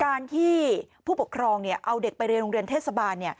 การที่ผู้ปกครองเอาเด็กไปเรียนโรงเรียนเทศบาล